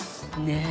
ねえ！